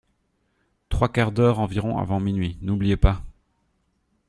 Trois quarts d'heure environ avant minuit ; n'oubliez pas.